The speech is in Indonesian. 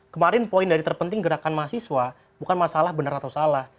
kemarin poin dari terpenting gerakan mahasiswa bukan masalah benar atau salah